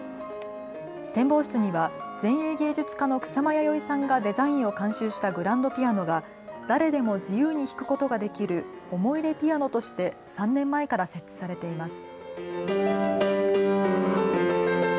展望室には前衛芸術家の草間彌生さんがデザインを監修したグランドピアノが誰でも自由に弾くことができるおもいでピアノとして３年前から設置されています。